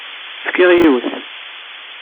Fkiɣ yiwet.